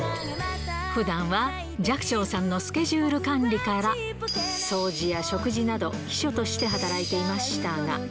ふだんは寂聴さんのスケジュール管理から、掃除や食事など、秘書として働いていましたが。